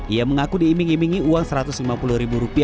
ia mengaku diiming imingi uang rp satu ratus lima puluh